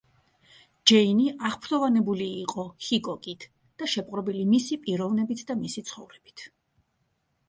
ჯეინი აღფრთოვანებული იყო ჰიკოკით და შეპყრობილი მისი პიროვნებით და მისი ცხოვრებით.